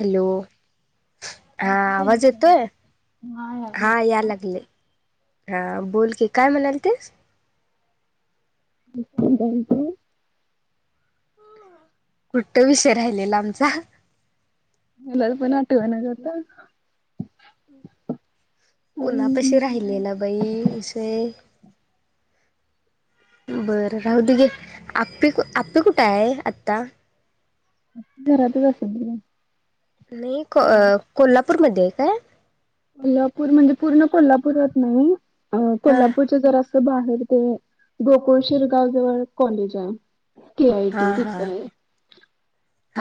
Hello हा आवाज येतोय हा या लागले हा बोल की काय म्हणायलतीस त कुट विषय राहिलेला आमचा मला तर प नाटव ना करता कणा तशी राहिले ना बाई उय बरं राहूदे घे आ आपी कुठे आहे आता घरातच असेल की नाही कोल्हापूरमध्येध्ये काय कोल्हापूर म्हणजे पूर्ण कोल्हापूरात नाही हा कोल्हापूरचे जरा आ बाहेर ते गोकुळ शिरगाव जवळ कॉलेज आहे के आय हा टी हा तिथ आहे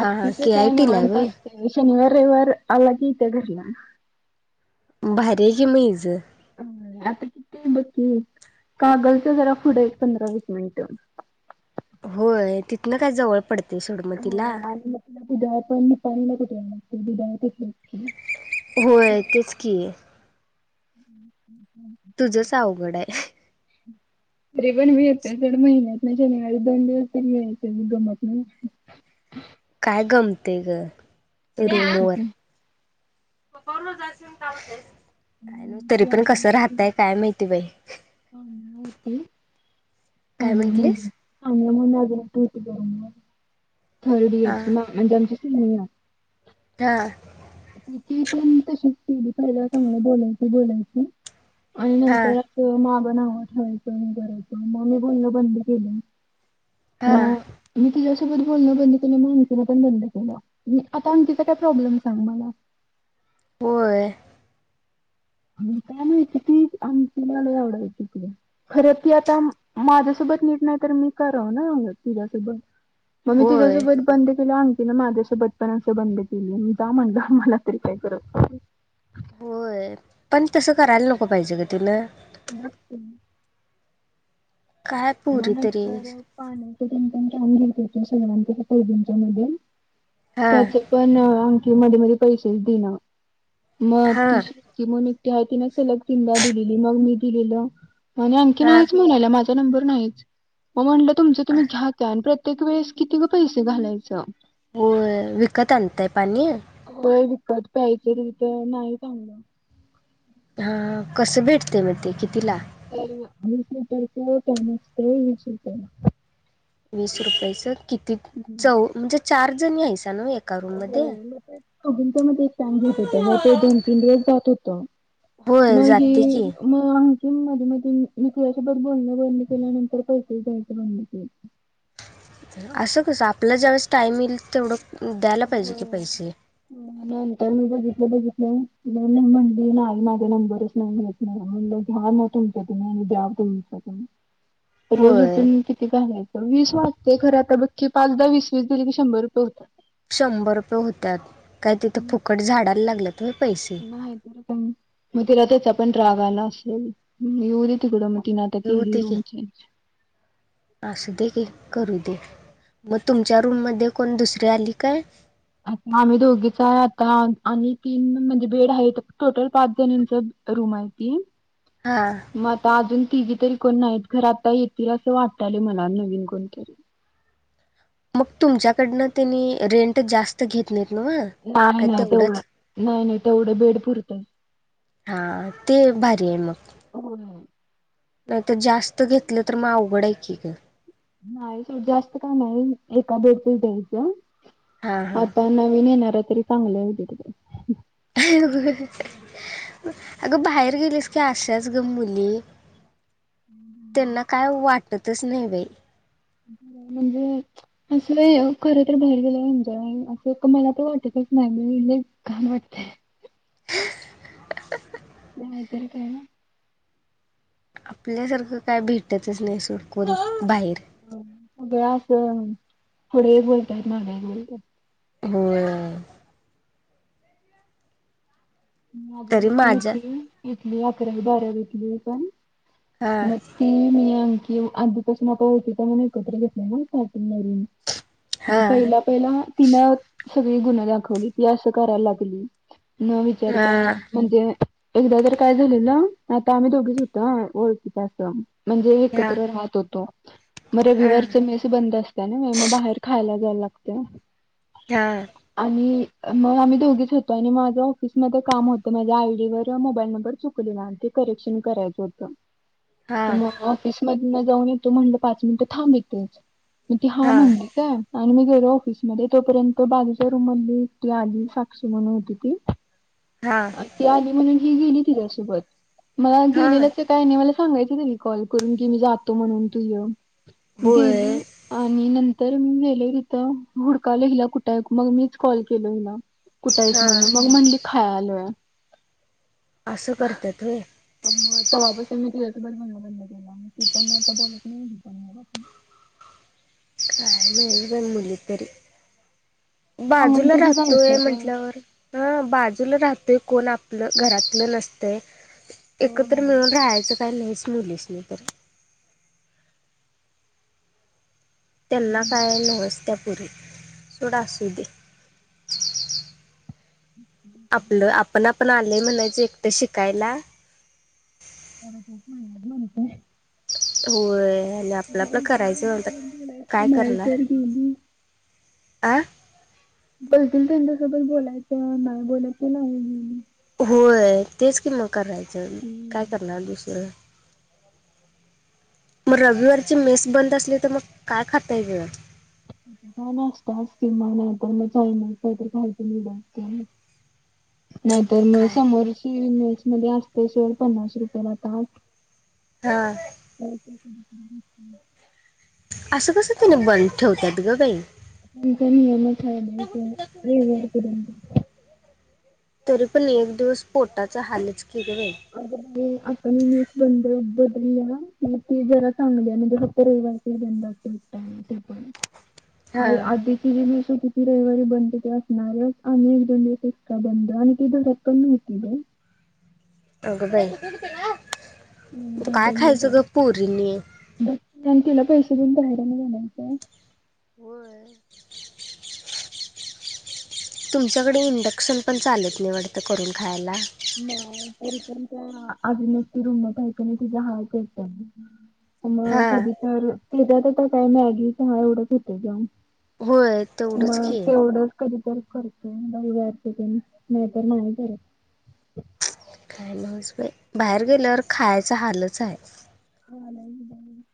हा हा आपिस के आय काय नि टी ला आहे मात व्हय असते शनिव रविवार आला की इत्या घरला भारी आहे की मग हिज आता किती बकी कागलच्या जरा पुढं एक पंधरा वीस मिनिट होय तिथनं काय जवळ पडते सोड मग तिला उद्याण पाणीला कुठे आण उदात होय तेच कि हम्म [inaudible] तुझच अवघड आहे तरी पण मी येत्या सोड महिन्यातन शनिवारी दोन दिवस परीयच गमक काय गमतय ग नाही तर काय बलू जा असे का होतेस का तरी पण कसं राहतय काय माहिती बाई साम्या होती काय साम्यामध्ये म्हणटलीस थर्ड हा इयर म्हणजे आमची सेन [unintelligible] हा त पण तशी च केली पहिला सगळ बोलायच बोलायच आणि हा नंतर असं मागं नावं ठेवायचं मी करायचं मग मी बोललं बंद केलं हा हो मी त सोबत बोलण बंद केलं माणनं पण बंद केलं आता अंकीचा काय प्रॉब्लेम सांग मला होय का नाहीची ती आम मला आवडायची त खरं ती आता माझ्यासधा ीट नाही तर मी कराव तोबत मग मी होय तिसोबत बंद के तिन माझ्याच्या बचपनाचे बंद केले मी जा म्हणलं मला तरी काय करत होय पण तसं करायला नको पाहिजे का तिनं ह काय म पुरी तरी नंतर पाणी घच्या सगळ त्याच्या पोजंच्या म हा त्याच पण क मध्ये मध्ये पैसेच देन मग हा ती कि म तेव्हा तिने सलग तीनदा दिलेली मग मी दिलेलआणि अंकी हा नाहीच म्हणायला माझा नंबर ते पण आहेच म म्हंटलं तुमच तुम्ही घ्या आता प्रत्येक वेळेस किती ग पैसे घालायच हो विकत आणताय पाणी होय विकत पायायजे तथ नाही चांगलं [unintelligible] हा कस भेटते मग ते किती ला विस तर तू म असत विस तर [unintelligible] वीस रुपयाच किती चौ म्हणजे चार जणी आहेत. हो मग तेच्या मध्ये सांग घेत होत मग ते दोन तीन दिवस जात होत. होय मग ही जाते की म कि मध्ये मध्ये मी तुलासोबत बोलणं बंद केल्यानंतर पैसेच द्यायचे बंद केलं. असं कस आपला ज्यावळेस टाईम येईल तेवढं द्यायला पाहिजे हो की पैसे नंतर मी बघित बघितलं नाही नाही म्हणली नाही माझा नंबरच नाही घेत नाही म्हणलं घ्या मग तुमच्या तुम्ही द्या तुमचं तुम्ही रोज होय उठून किती काम आहे. वीस वाजते खर आता बक्की पाच दहा वीस वीस दिली की शंभर रुपये होतात. शंभर रुपये होत्यात काय तिथं हम्म, फुकट झाडाला लागल्यात होय पैसे मग तेला तेचा पण रागाला असेल आयुधे तिकड मग तीन आता केली रूम चेंज असं दे घे करू दे मग तुमच्या रूम मध्ये कोण दुसरी आली काय. आ आम्ही दोघीच आता आणि तीन म्हणजे बेड आहेत. टोटल पाच जणांच रूम आहे. ती हा मग आता अजून तिघे तरी कोण नाहीत. घर आता येतील असं वाटतले मला नवीन कोणतरी मग तुमच्याकडन त्यांनी रेंट जास्त घेतले. नाही नाही तेवढं नाही नाही तेवढं बेड पुरत हा ते भारी आहे. मग होय. नाहीत जास्त घेतलं तर मग अवघड आहे. की ग नाही सोड जास्त काय नाही. एका बेड च द्यायचं. हा हा आता नवीन येणार तरी चांगले येउ देत बाई [inaudible] अगं बाहेर गेलीस की असाच ग मुली. त्यांना काय वाटतच नाही बाई. म्हणजे असं खर तर बाहेर गेलं म्हज नाही असं मला तर वाटत नाही म कामात घाण वाटतंय. नाहीतर काय न. आपल्यासारखं काय भेटतच नाही सोङ कोण बाहेर सगळं असं पुढही बोलतात माग्या बोलतात. होय. माझी तरी नट्टी माझ्या होती इेतली अकरावी बारावी घेतली पण हा मग ती आमच कि आधीपासून आता होती तर मण एकत्र घेत नाही ना स्टार्टिंग मून हा पहिला पहिला तिनं सगळी गुन्हा दाखवली ती असं करायला लागली न हा विचारता म्हणजे एकदा तर काय झालेल आता आम्ही दोघीच होत ओळखीच आस म्हणजे हा एकत्र राहत होतो. मग हा रविवारचे मेस बंद असतते ना मग बाहेर खायला लाग हा आणि मग आम्ही दोघीच होतो आणि माझ ऑफिस मध्ये काम होतं माझ्या आयडी व मोबाईल नंबर चुकलेला ते करेक्शन करायचं होतं. हा मग ऑफिस मधन जाऊन येतो. म्हणलं पाच मिनिट थांब येतेच. ती हा म्हणली काय आणि मी गेलो ऑफिसमध्येध्ये तोपर्यंत बाजूच्या रूम मधली ती आली साक्षी म्हणून होती ती हा ती आली म्हणून ही गेली तिच्यासोबत मला हा गेलेलंच काय नाही मला सांगायच त कॉल करून की मी जातो म्हणून तू य होय गेली आणि नाव तर मी गेल तिथं हुडकाल हिला कुठं आहे. मग मीच कॉल केल हिला कुठ आहेस हा म्हणून, मग म्हणली ह असं करत तय मग तेव्हापासून मी तुझ्यासोबत बनण बंद केला ती पण आता बोलत नाही पण आपण नाही कायम ते बोललीत तरी सांगून बाजूला तरी राहतोय जायचं गं. म्हंटल्यावर ह बाजूला राहतो ते कोण आपलं घरातलं नसत एकत्र मिळून राहायचं काय लय स्लो नाही तर [unintelligible] त्यांना काय नाई त्या पुरी सोडा असू दे पण आले म्हणच एकटं शिकायला [inaudible] होय आणि आपलं आपलं करायचं काय बोलायचं नाही करणार तर गेली. आ बोलतील त्यांच्यासोबत बोलायचं नाही बोलायच नाही होय तेच कि म करायचं काय हम्म करणार दुसरं [inaudible] मग रविवारची मेस बंद असली तर मग काय खाता ये वेगळं का नाशताच किंवा नाही तर मग चायनीज कायतरी खायच दिलं की नाहीतर मग काय समोरची मेस मध्ये असते पन्नास रुपये ला हा असं कसं त्याने बंद ठेवतात ग बाई त्यांचा नियमच आहे बाई तो रविवार पर्यंत. तरी पण एक दिवस पोटाच हालच की ग बाई अगं बाई आपण मेस बंद ती जरा चांगली आहे रविवार च फक्त हा अ आधी त ज मी सुध किती रविवारी बंद ते असणारच आम्ही एक दोन दिवस इतका बंद आणि ती भरत पण नव्हती अगं आई हम्म काय बदललेच खायचं ग आहे. पोरीनी तून बाहेरने जाण्याचं होय तुमच्याकडे इंडक्शन पण चालत नाही वाटत करून खायला नाही तरीपन आजून एकटी रूम मध्ये आहे कनी आणि तिचा हा मग हा कधी तर त्याच्यात आता काय मॅगीच हा एवढंच होते जेवण होय तेवढंच मग की तेवढंच कधी करतो नाही तर नाही कर हॅलो बाहेर गेल्यावर खायचा हालच आहे हा नाही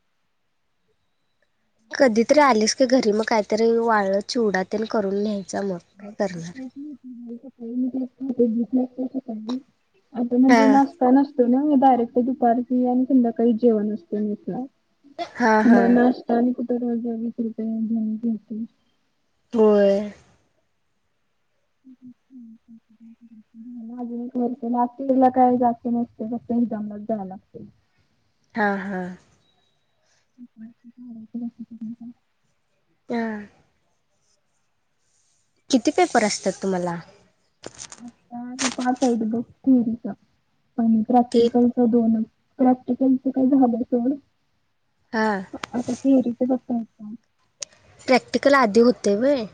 कधीतरी आलीस का घरी मग काहीतरी वाळ चिवडा तेन करून ने तेच [inaudible] ना हा म डायरेक्ट दुपारची आणि संध्याकाळी जेवण असते मेस ला हा हा मग नाश्ता आणि कुठे रोज दोनशे रुपये देत होय [inaudible] एकदमला जावं लागते ह हा [unintelligible] तां किती पेपर असत्यात तुम्हाला? [unintelligible] साईड ब थिरीच आणिण ते प्रॅक्टिकलच दोन प्रॅक्टिकलच काय झालं सोड. हा आता ते एरी बसत. प्रॅक्टिकल आदी होते व्हय.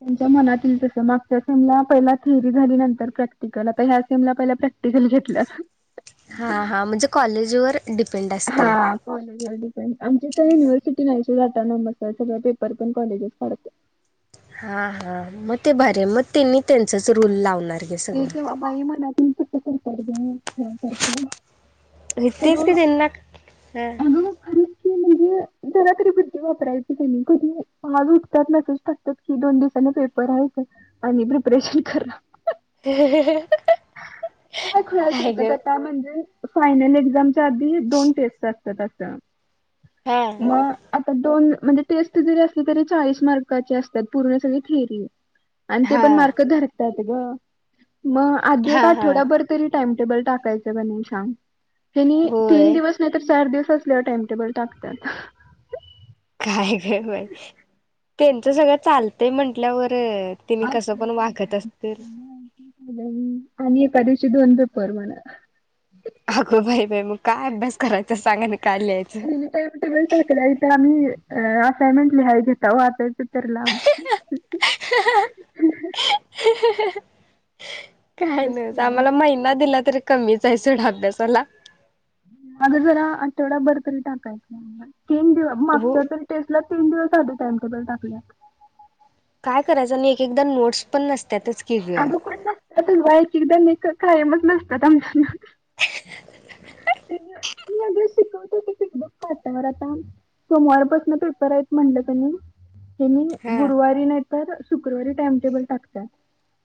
त्यांच्या मनात ईल तसं. मागच्या सिमला पहिला थेरी झाली नंतर प्रॅक्टिकल, आता ह्या सिमला पहिला प्रॅक् [unintelligible] घेटला हां-हां म्हणजे कॉलेज वर हां [unintelligible] पण आमची काय युनिव्हर्सिटी [unintelligible] पेपर पण कॉलेजेस काढतं. हां-हां म ते भरी आय. म त्यांनी त्यांचाच रूल लावणार. गे ते सगळं. तवा बाई म्हणाल तुमचं [unintelligible] म्ज तेच की त्यांना हां. अगं खरंच की म्हणजे जरा तरी बुद्धी वापरायची त्यांनी, कधी आज उठतात, मेसेज टाकतात की दोन दिवसानं पेपर आहेत. आणि प्रिपरेशन करा. [unintelligible] काय खुळ्यासारकं करता म्हणजे. फायनल एक्झामच्या आधी दोन टेस्ट असतात असं. हा म आता दोन म्हणजे टेस्ट जरी असले तरी चाळीस मार्काचे असतात पूर्ण सगळी थेरी. आणि ते पण हा मार्क धरतात गं, म आधी एक हा हा आठवडाभर तरी टाइमटेबल टाकायचं कि नाही सांग? त्यानी तीन होय दिवस नाहीतर चार दिवस कसल्या टाइमटेबल टाकत्यात. [unintelligible] काय गं बाई. तेंचं सगळं चालतंय म्हंटल्यावर. ऐ तिनि कसं पण वागत असतील. [unintelligible] आणि एका दिवशी दोन पेपर म्हणं. अगो बाई-बाई म काय अभ्यास करायचा सांगानं? अनिनि टाईम टेबल टाकलाय ता आम्ही. अं असायनमेंट लिहाय घेेता, वाचायचं तर लांब. [unintelligible] काय नस आम्हाला महिना दिला तरी कमीच आय सोड अभ्यासाला. आगं जरा आठवडाभर तरी टाकायचा ना. तीन दि हो मागचा तरी टेस्टला तीन दिवस आधी टाइमटेबल टाकल्या. काय करायचं आणि एकेकदा नोट्स पण नसत्यातच. अगं कोन नसत्यात [unintelligible] त कायमच नसतात आमची. [inaudible] [unintelligible] अदी शिकवते ते [unintelligible] काटावर आता. सोमवारपासनं पेपर आहेत म्हणलं तनी. हेनी हा गुरुवारी नाही तर शुक्रवारी टाइमटेबल टाकत्यात.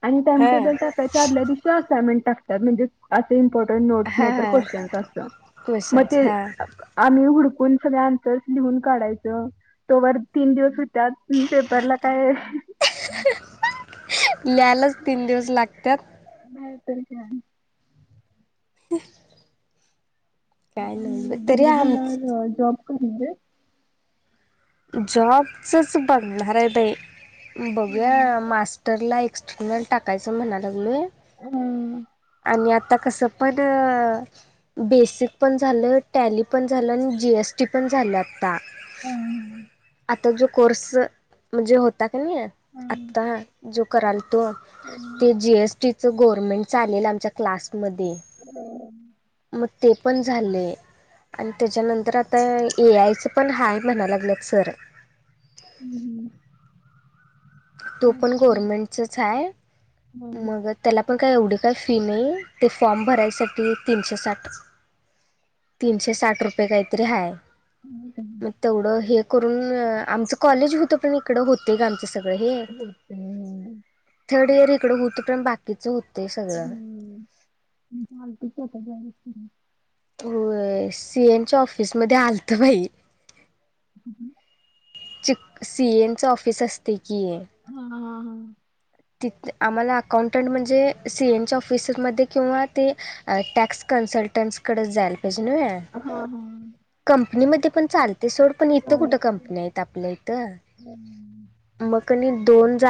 आणि टाइम हा टेबल टाकायच्या आदल्या दिवशी असायनमेंट टाकत्यात, म्हणजे असे इम्पॉर्टंट नोट्स हा नाही तर हा क्वेश्चन. त मं क्वेश्चन्स ते हा आम हुडकून सगळे आन्सर्स लिहून काढायचं, तोवर तीन दिवस सु त्यात पेपरला काय [unintelligible] त्यालाच तीन दिवस लागत्यात. [unintelligible] [inaudible] काय आता नाही म तरी डिग्री आम झाल्यावर जॉब करू दे. जॉबचच बघणार आय बई बघूया मास्टरला एक [unintelligible] टाकायचं म्हणा लागलोय. हम्म आणि आता कसं पणं बेसिक पण झालं, टॅली पण झालं, आणि जीएसटी पण झालं आता. हम आता जो कोर्स, म्हणजे होता का नह्या, आत्ता जो कराल. तो ते जीएसटी चं गोव्हर्नमेंट आलेल आमच्या क्लास हम् ते पण झालेय. आणि त्याच्यानंतर आता, ए आय चं पण हाय म्हणाय लागल्यात सर. हम्म हम्म. तो पण गव्हर्मेंटच हाय. मग त्याला पण, का एवढी काय फी नाय, ते फॉर्म भरायसाठी तीनशे साठ. तीनशे साठ रुपये काहीतरी हाय. मग तेवढं हे करून आमचं कॉलेज होत, पण इकडं होतय ग, आमचं सगळं हे. होतय ह. थर्ड इयर इकड होतं पर्यंत बाकीचं हों हम्म [unintelligible] होय सी ए नच्या ऑफिस मध्ये आलतं बाई. चिक सी एन च ऑफिस असतय. हा हा हा. तीत आम्हाला अकाउंटंट म्हणजे सी ए न च्या ऑफिसमध्ये किंवा ते अ टॅक्स कं सल्टनस कडेच जायला पाहिजे नव्हे? हां, हां. कंपनीमध्ये पण चाल ते सोड, पण इथं कुठ कंपनी आहेत? आपल्या इथं. मग कनी दोन जा